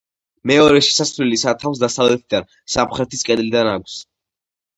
მეორე შესასვლელი სათავსს დასავლეთიდან, სამხრეთის კედლიდან აქვს.